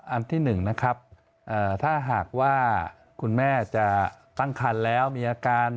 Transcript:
อันที่หนึ่งถ้าหากว่าคุณแม่จะตั้งครรภ์แล้วมีอาการ